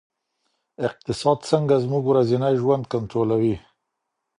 اقتصاد څنګه زموږ ورځنی ژوند کنټرولوي؟